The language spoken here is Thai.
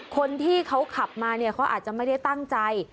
คนที่เขาขับมาเนี่ยเขาอาจจะไม่ได้ตั้งใจ